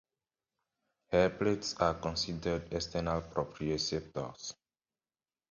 Hair plates are considered external proprioceptors.